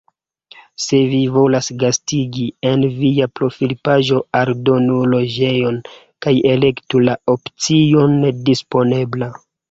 Se vi volas gastigi, en via profilpaĝo aldonu loĝejon kaj elektu la opcion Disponebla.